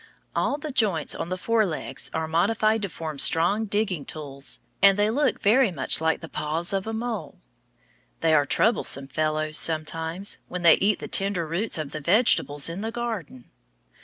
All the joints of the fore legs are modified to form strong digging tools, and they look very much like the paws of the mole. They are troublesome fellows, sometimes, when they eat the tender roots of the vegetables in the garden.